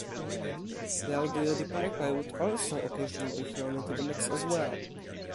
Rowdy Roddy Piper would also occasionally be thrown into the mix as well.